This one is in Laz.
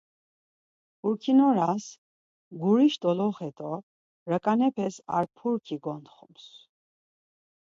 Purkinoras, guriş doloxe do raǩanapes ar purki gontxums.